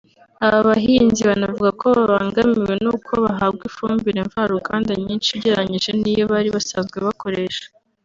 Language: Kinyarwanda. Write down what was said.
Aba bahinzi banavuga ko babangamiwe n’uko bahabwa ifumbire mva ruganda nyinshi ugereranyije n’iyo bari basanzwe bakoresha